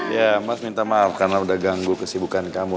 ya mas minta maaf karena udah ganggu kesibukan kamu